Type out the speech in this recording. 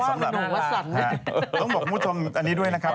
สำหรับต้องบอกคุณผู้ชมอันนี้ด้วยนะครับ